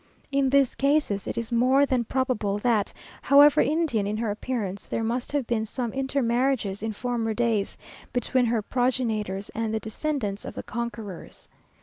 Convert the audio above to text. In these cases it is more than probable that, however Indian in her appearance, there must have been some intermarriages in former days between her progenitors and the descendants of the conquerors.